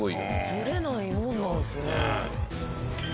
ずれないもんなんですね。